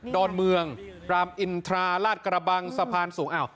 อนเมืองรามอินทราลาดกระบังสะพานสูง